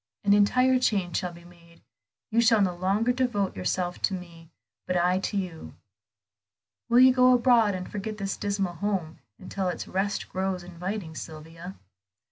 An entire change shall be made; you shall no longer devote yourself to me, but I to you. Will you go abroad, and forget this dismal home until its rest grows inviting, Sylvia?"